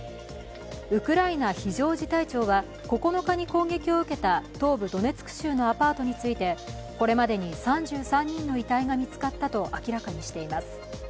ウクライナ非常事態庁は９日に攻撃を受けた東部ドネツク州のアパートについて、これまでに３３人の遺体が見つかったと明らかにしています。